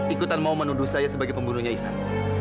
ikutan mau menuduh saya sebagai pembunuhnya isan